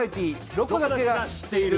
「ロコだけが知っている」。